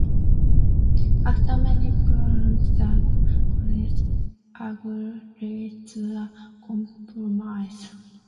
After many pleas, the goddess agrees to a compromise.